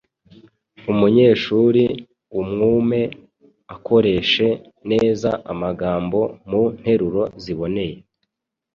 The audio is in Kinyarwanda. Umunyeshuri umwumwe akoreshe neza amagambo mu nteruro ziboneye.